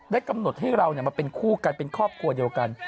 กำหนดให้เรามาเป็นคู่กันเป็นครอบครัวเดียวกัน